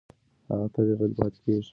هغه تل غلې پاتې کېږي.